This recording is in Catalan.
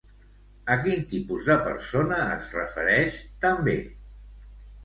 A quin tipus de persona es refereix, també?